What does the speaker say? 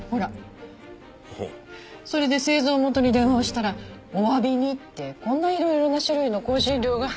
それで製造元に電話をしたらおわびにってこんないろいろな種類の香辛料が。